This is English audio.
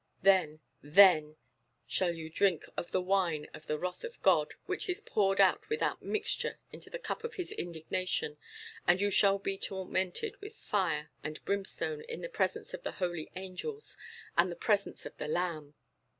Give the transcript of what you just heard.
Then, THEN shall you drink of the wine of the wrath of God, which is poured out without mixture into the cup of his indignation; and you shall be tormented with fire and brimstone in the presence of the holy angels, and in the presence of the Lamb."